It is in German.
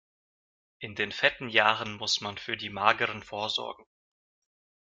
In den fetten Jahren muss man für die mageren vorsorgen.